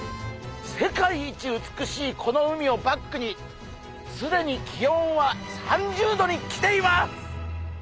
世界一美しいこの海をバックにすでに気温は３０℃に来ています！